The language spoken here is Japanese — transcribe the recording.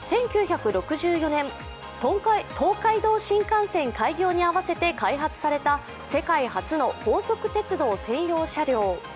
１９６４年、東海道新幹線開業に合わせて開業された世界初の高速鉄道専用車両。